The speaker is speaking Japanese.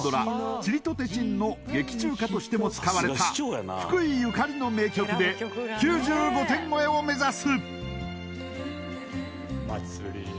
「ちりとてちん」の劇中歌としても使われた福井ゆかりの名曲で９５点超えを目指す！